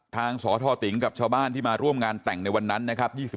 สทติงกับชาวบ้านที่มาร่วมงานแต่งในวันนั้นนะครับ